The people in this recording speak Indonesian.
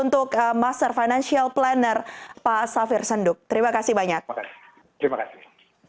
untuk master financial planner pak safir senduk terima kasih banyak terima kasih